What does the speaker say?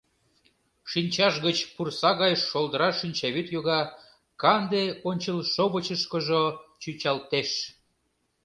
Шинчаж гыч пурса гай шолдра шинчавӱд йога, канде ончылшовычышкыжо чӱчалтеш.